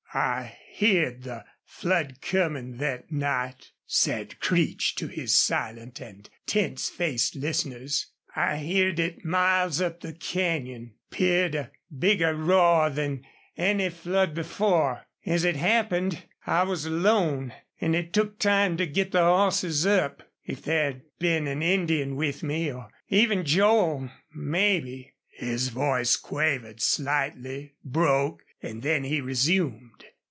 "I heerd the flood comin' thet night," said Creech to his silent and tense faced listeners. "I heerd it miles up the canyon. 'Peared a bigger roar than any flood before. As it happened, I was alone, an' it took time to git the hosses up. If there'd been an Indian with me or even Joel mebbe " His voice quavered slightly, broke, and then he resumed.